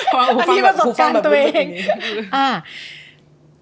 ฟังหูฟังแบบหูฟังแบบนี้นี่ประสบการณ์ตัวเอง